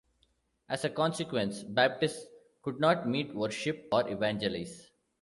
As a consequence, Baptists could not meet, worship or evangelize.